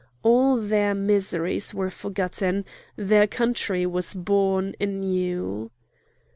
All their miseries were forgotten. Their country was born anew.